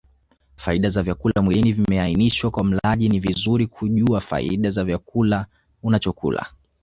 Faida za vyakula mwilini vimeanishwa Kwa mlaji ni vizuri kujua faida za chakula unachokula